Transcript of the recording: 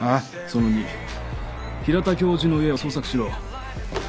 その２平田教授の家を捜索しろ。